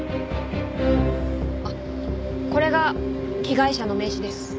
あっこれが被害者の名刺です。